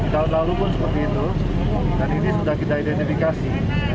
tahun lalu pun seperti itu dan ini sudah kita identifikasi